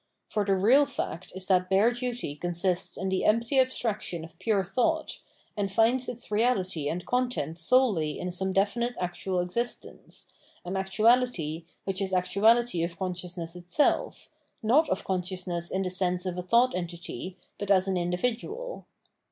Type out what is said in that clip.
For the real fact is that bare duty consists in the empty abstraction of pure thought, and finds its reality and content solely in some definite actual existence, an actuality which is actuality of consciousness itself — not of consciousness in the sense of a thought entity, but as an individual.